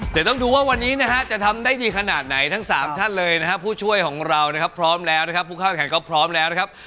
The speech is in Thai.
เดี๋ยวต้องดูว่าวันนี้นะฮะจะทำได้ดีขนาดไหนทั้งสามท่านเลยนะครับผู้ช่วยของเรานะครับพร้อมแล้วนะครับผู้เข้าแข่งก็พร้อมแล้วนะครับ